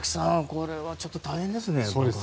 これはちょっと大変ですね。